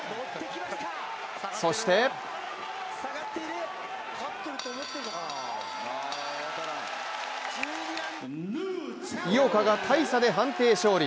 そして井岡が大差で判定勝利。